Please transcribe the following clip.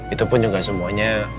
itu pun juga semuanya